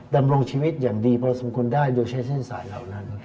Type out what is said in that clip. ดำรงชีวิตอย่างดีพอสมควรได้โดยใช้เส้นสายเหล่านั้น